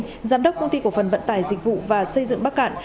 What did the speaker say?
giám đốc công ty cổ phần vận tải dịch vụ và xây dựng bắc cạn